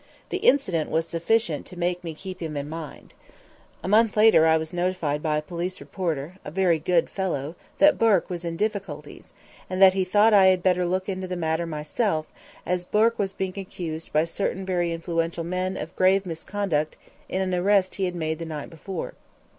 The incident was sufficient to make me keep him in mind. A month later I was notified by a police reporter, a very good fellow, that Bourke was in difficulties, and that he thought I had better look into the matter myself, as Bourke was being accused by certain very influential men of grave misconduct in an arrest he had made the night before.